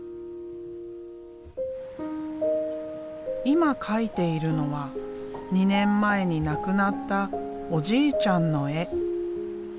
今描いているのは２年前に亡くなったおじいちゃんの絵。